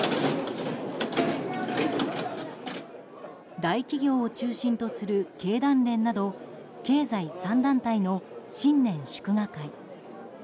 大企業を中心とする経団連など経済３団体の新年祝賀会。